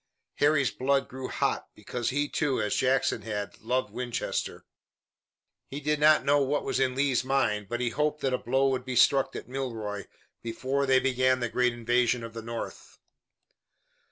Harry's blood grew hot, because he, too, as Jackson had, loved Winchester. He did not know what was in Lee's mind, but he hoped that a blow would be struck at Milroy before they began the great invasion of the North.